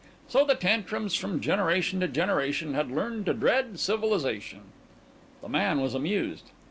So the Tantrums, from generation to generation, had learned to dread civilization. The man was amused.